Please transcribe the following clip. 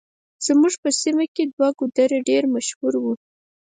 زموږ په سيمه کې دوه ګودره ډېر مشهور وو.